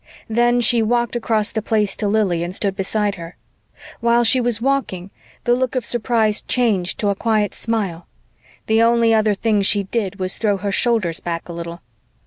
Then she walked across the Place to Lili and stood beside her. While she was walking, the look of surprise changed to a quiet smile. The only other thing she did was throw her shoulders back a little.